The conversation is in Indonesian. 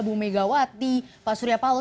bu megawati pak suryapalo